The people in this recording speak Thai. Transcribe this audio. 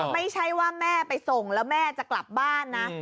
ไม่ใช่ว่าแม่ไปส่งแล้วแม่จะกลับบ้านนะ